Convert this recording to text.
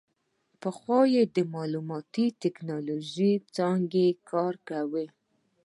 پخوا یې د معلوماتي ټیکنالوژۍ څانګه کې کار کاوه.